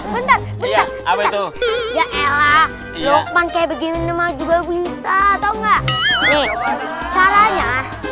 ya ella luqman kayak begini mah juga bisa atau enggak nih caranya